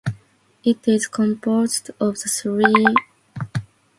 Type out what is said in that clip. It is composed of three cascading diagonal dots.